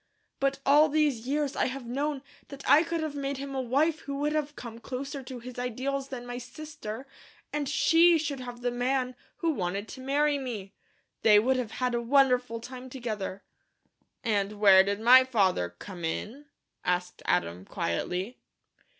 But all these years I have known that I could have made him a wife who would have come closer to his ideals than my sister, and SHE should have had the man who wanted to marry me. They would have had a wonderful time together." "And where did my father come in?" asked Adam, quietly.